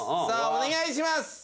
さあお願いします。